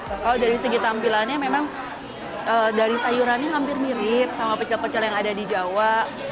kalau dari segi tampilannya memang dari sayurannya hampir mirip sama pecel pecel yang ada di jawa